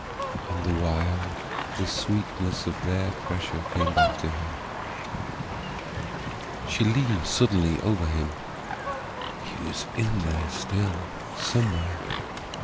And the while the sweetness of their pressure came back to her. She leaned suddenly over him. HE was in there still, somewhere.